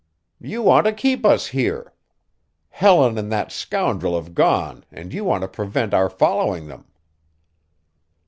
"You want to keep us here. Helen and that scoundrel have gone and you want to prevent our following them."